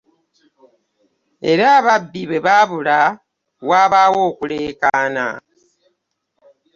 Era ababi bwe babula, wabaawo okuleekaana.